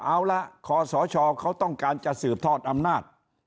เอาละคอสชเขาต้องการจะสืบทอดอำนาจ